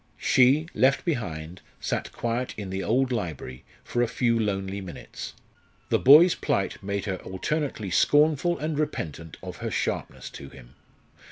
She, left behind, sat quiet in the old library for a few lonely minutes. The boy's plight made her alternately scornful and repentant of her sharpness to him.